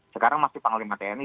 sekarang masih panglima tni